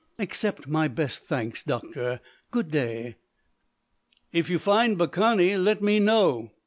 "Accept my best thanks, doctor. Good day!" "If you find Baccani let me know.